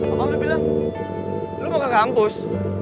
apa lu bilang lu mau ke kampus